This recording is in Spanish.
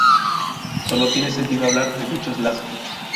Sólo tiene sentido hablar de dichos lazos.